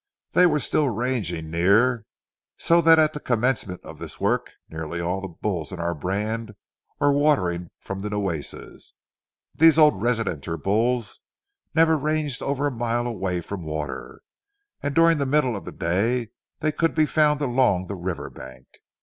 They were still ranging near, so that at the commencement of this work nearly all the bulls in our brand were watering from the Nueces. These old residenter bulls never ranged over a mile away from water, and during the middle of the day they could be found along the river bank.